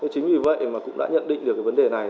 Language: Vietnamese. chính vì vậy mà cũng đã nhận định được cái vấn đề này